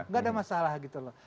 nggak ada masalah gitu loh